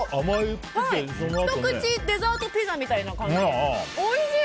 ひと口デザートピザみたいな感じ。